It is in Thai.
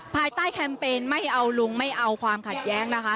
ภายใต้แคมเปญไม่เอาลุงไม่เอาความขัดแย้งนะคะ